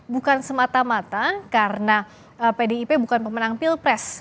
bukan semata mata karena pdip bukan pemenang pilpres